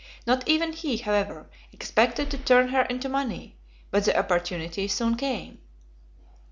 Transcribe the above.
Not even he, however, expected to turn her into money; but the opportunity soon came.